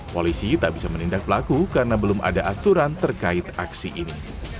polisi tak bisa menindak pelaku karena belum ada aturan terkait aksi ini